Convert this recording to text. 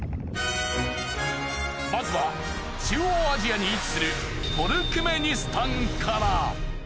まずは中央アジアに位置するトルクメニスタンから。